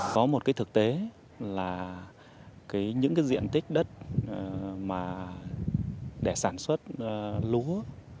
có một cái thực tế là những cái diện tích đất mà để sản xuất lúa